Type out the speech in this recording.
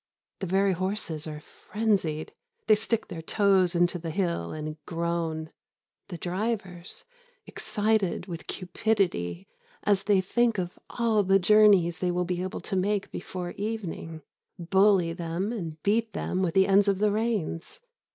The very horses are frenzied. They stick their toes into the hill and groan. The drivers, excited with cupidity as they think of all the journeys they will be able to make before evening, bully them and beat them with the end of the reins.